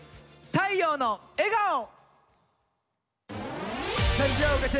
「太陽の笑顔」！